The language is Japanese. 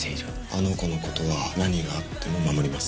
あの子のことは何があっても守ります。